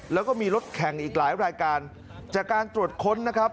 แล้วก็มีรถแข่งอีกหลายรายการจากการตรวจค้นนะครับ